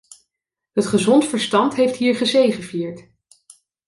Het gezond verstand heeft hier gezegevierd.